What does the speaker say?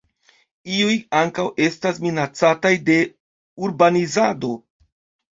Iuj ankaŭ estas minacataj de urbanizado.